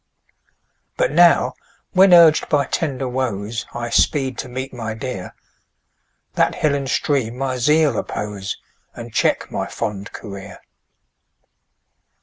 But now, when urg'd by tender woes, I speed to meet my dear, That hill and stream my zeal oppose, And check my fond career.